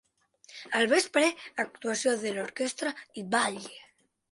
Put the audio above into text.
Al vespre, actuació de l'Orquestra i ball.